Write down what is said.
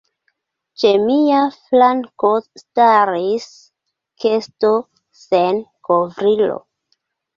Ĉe mia flanko staris kesto sen kovrilo.